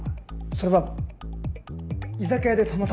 それは居酒屋でたまたま。